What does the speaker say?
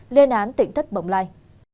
lên án tỉnh thất bồng lai